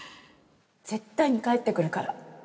絶対に帰ってくるから。